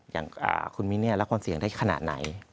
อย่างคุณมิ้นรับความเสี่ยงได้ขนาดไหน